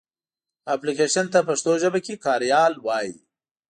اپلکېشن ته پښتو ژبه کې کاریال وایې.